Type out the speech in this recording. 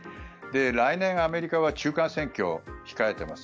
来年アメリカは中間選挙を控えています。